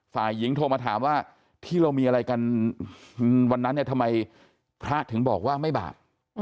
ฝ่ายหญิงโทรมาถามว่าที่เรามีอะไรกันวันนั้นเนี่ยทำไมพระถึงบอกว่าไม่บาป